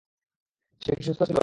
সে কি সুস্থ ছিল?